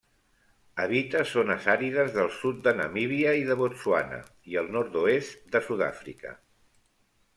Habita zones àrides del sud de Namíbia i de Botswana i el nord-oest de Sud-àfrica.